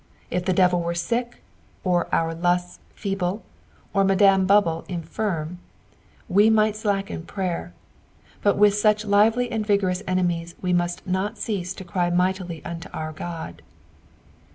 If the devil were sick, or our lusts ^ble, or Madame Babble infirm, we might slacken prayer; but with such lively and vigorous eoemies we must not cease to cry mightily unto our Qod.